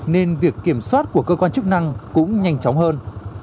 nên việc kiểm soát của cơ quan chức năng cũng nhanh chóng hơn